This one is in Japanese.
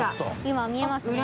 今見えますね。